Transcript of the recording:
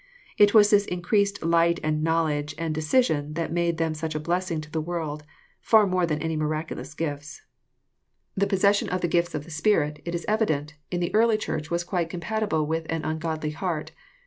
It was this increased light and knowledge and decision that made them such a blessing '{othe world, far more than any miraculous gifts. The possessionujf the gifts of the Spirit, it is evident, in the early Church was quite compatible with an ungodly heart.